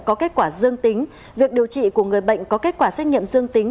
có kết quả dương tính việc điều trị của người bệnh có kết quả xét nghiệm dương tính